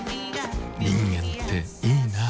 人間っていいナ。